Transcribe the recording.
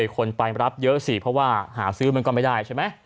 คนไปรับเยอะสิเพราะว่าหาซื้อมันก็ไม่ได้ใช่ไหม